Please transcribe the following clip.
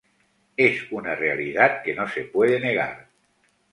Esa es una realidad que no se puede negar.